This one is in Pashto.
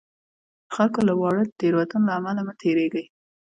د خلکو له واړو تېروتنو له امله مه تېرېږئ.